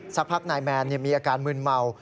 สักพักนายแมนมีอาการมืนเมา